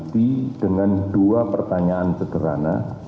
jadi dengan dua pertanyaan sederhana